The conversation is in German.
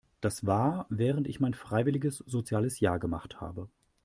Das war während ich mein freiwilliges soziales Jahr gemacht habe.